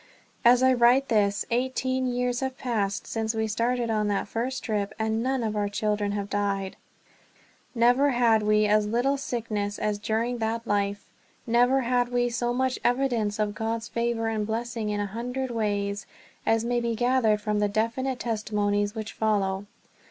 As I write this, eighteen years have passed since we started on that first trip, and none of our children have died. Never had we as little sickness as during that life. Never had we so much evidence of God's favor and blessing in a hundred ways as may be gathered from the definite testimonies which follow.